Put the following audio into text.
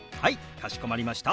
かしこまりました。